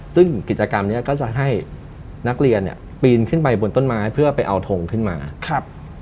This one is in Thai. ซึ่งกิจกรรมนี้ก็จะให้นักเรียนเนี่ยปีนขึ้นไปบนต้นไม้เพื่อไปเอาทงขึ้นมาครับ